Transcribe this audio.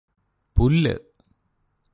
പുല്ല്